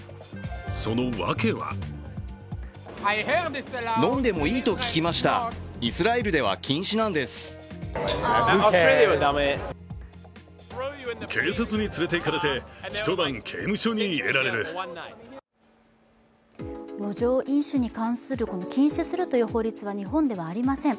その訳は路上飲酒に関する禁止するという法律は日本ではありません。